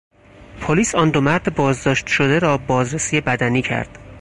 پلیس آن دو مرد بازداشت شده را بازرسی بدنی کرد.